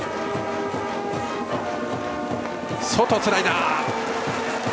外、スライダー。